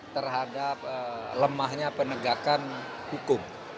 terhadap lemahnya penegakan hukum